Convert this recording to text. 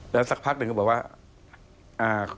แล้วสักพักหนึ่งก็บอกว่า